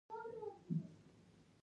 ما ورته وویل، ولې نه.